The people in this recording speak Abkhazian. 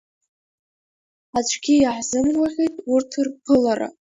Аӡәгьы иаҳзымгәаӷьит урҭ рԥылара.